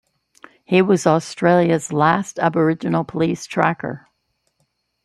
He was Australia's last Aboriginal police tracker.